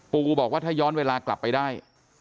ปูบอกว่าถ้าย้อนเวลากลับไปได้